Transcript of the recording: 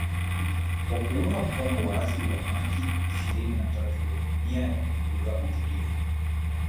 kwa kuunga mkono waasi wa Machi ishirini na tatu wenye nia ya kuvuruga utulivu